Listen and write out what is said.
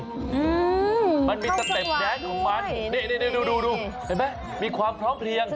ส้มตะเต็มแดนของมันนี่นี่ดูไปไหมมีความท้องเพลง